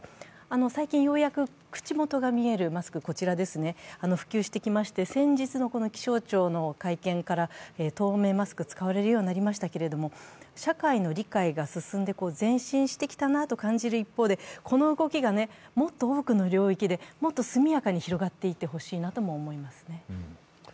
最近ようやく口元が見えるマスクが普及してきまして先日の気象庁の会見から透明なマスクが使われるようになりましたけれども社会の理解が進んで前進してきたなと感じる一方でこの動きがもっと多くの領域でもっと速やかに広がっていってほしいなとも思いますね。